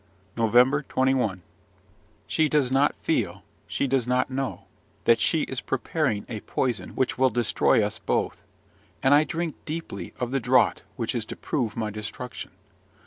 NOVEMBER 21. She does not feel, she does not know, that she is preparing a poison which will destroy us both; and I drink deeply of the draught which is to prove my destruction.